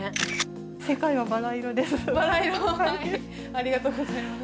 ありがとうございます。